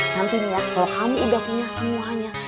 nantinya kalau kamu udah punya semuanya